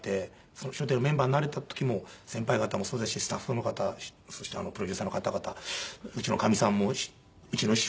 『笑点』のメンバーになれた時も先輩方もそうですしスタッフの方そしてプロデューサーの方々うちのかみさんもうちの師匠も。